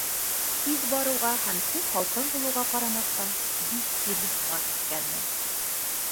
Тиҙ барыуға һәм төн һалҡын булыуға ҡарамаҫтан, бик тиҙ йоҡоға киткәнмен.